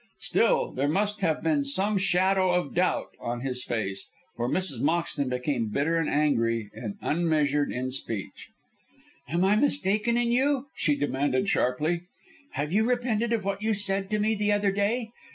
Still, there must have been some shadow of doubt on his face, for Mrs. Moxton became bitter and angry and unmeasured in speech. "Am I mistaken in you?" she demanded sharply. "Have you repented of what you said to me the other day?